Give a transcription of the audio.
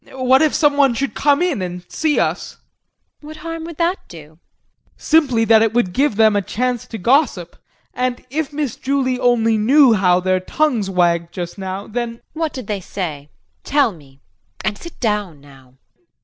What if someone should come in and see us? JULIE. What harm would that do? JEAN. Simply that it would give them a chance to gossip. And if Miss Julie only knew how their tongues wagged just now then JULIE. What did they say? Tell me. And sit down now.